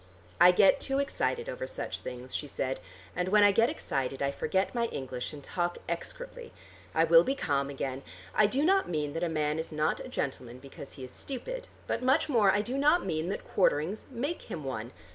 "I get too excited over such things," she said. "And when I get excited I forget my English and talk execrably. I will be calm again. I do not mean that a man is not a gentleman because he is stupid, but much more I do not mean that quarterings make him one.